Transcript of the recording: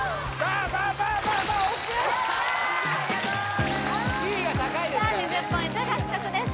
あＯＫ２０ポイント獲得です